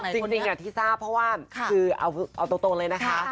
จริงที่ทราบเพราะว่าคือเอาตรงเลยนะคะ